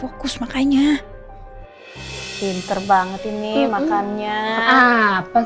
lelaki dan ibu yang malem bekerja dengan arsenal